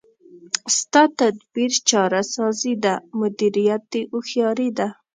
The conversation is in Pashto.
ستا تدبیر چاره سازي ده، مدیریت دی هوښیاري ده